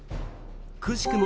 くしくも